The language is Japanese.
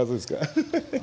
ハハハハ。